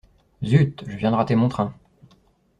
Zut, je viens de rater mon train.